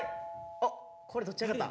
あこれどっち早かった？